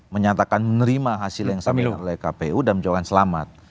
menyatakan menerima hasil yang disampaikan oleh kpu dan menjawabkan selamat